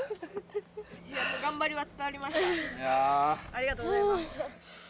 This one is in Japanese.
ありがとうございます。